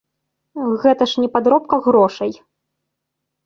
Гэта ж не падробка грошай.